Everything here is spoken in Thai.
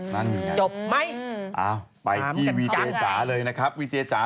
นั่นอยู่น่ะจบไหมเอ้าไปที่วิเจจ๋าเลยนะครับวิเจจ๋า